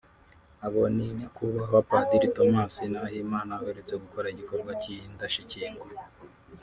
Abo ni Nyakubahwa Padiri Thomas Nahimana uherutse gukora igikorwa cy’indashyikirwa